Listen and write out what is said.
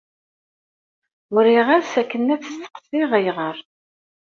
Uriɣ-as akken ad t-sseqsiɣ ayɣer.